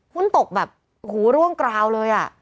คุณตกแบบหูร่วงกราวเลยอ่ะ